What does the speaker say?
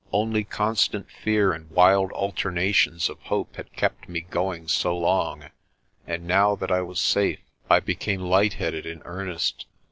Only constant fear and wild alternations of hope had kept me going so long, and now that I was safe I became lightheaded in earnest.